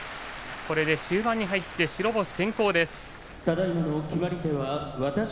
終盤に入って白星先行です。